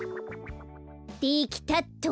できたっと。